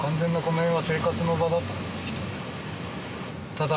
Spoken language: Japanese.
ただ。